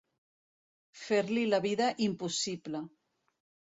Fer-li la vida impossible.